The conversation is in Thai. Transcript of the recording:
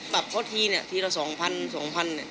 ปรับข้อทีทีละสองพันสองพัน